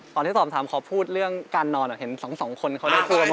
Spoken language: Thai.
ตอนที่สอบถามขอพูดเรื่องการนอนเห็น๒คนเขาได้เกิดหมดแล้ว